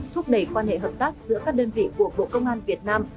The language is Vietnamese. thúc đẩy quan hệ hợp tác giữa các đơn vị của bộ công an việt nam